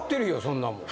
そんなもん